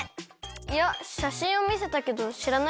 いやしゃしんをみせたけどしらないみたいだった。